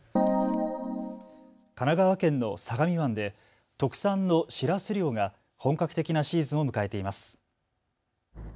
神奈川県の相模湾で特産のしらす漁が本格的なシーズンを迎えています。